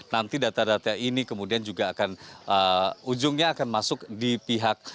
nanti data data ini kemudian juga akan ujungnya akan masuk di pihak